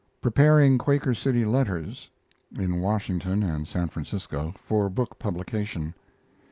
Preparing Quaker City letters (in Washington and San Francisco) for book publication.